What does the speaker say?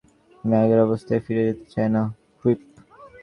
আমি আগের অবস্থায় ফিরে যেতে চাই না, হুইপ।